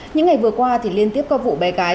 những ngày vừa qua thì liên tiếp qua vụ bé gái